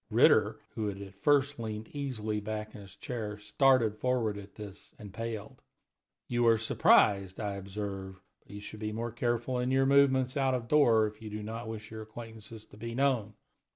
Ritter, who had at first leaned easily back in his chair, started forward at this, and paled. "You are surprised, I observe; but you should be more careful in your movements out of doors if you do not wish your acquaintances to be known.